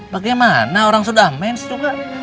bagaimana orang sudah manch juga